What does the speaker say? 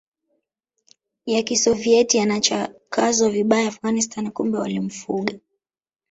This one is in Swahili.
ya Kisovieti yanachakazwa vibaya Afghanistan kumbe walimfuga